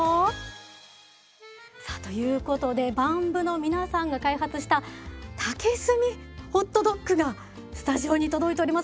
さあということでＢＡＭ部の皆さんが開発した竹炭ホットドッグがスタジオに届いております。